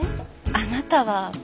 あなたは？